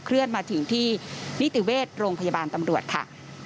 เลื่อนมาถึงที่นิติเวชโรงพยาบาลตำรวจค่ะ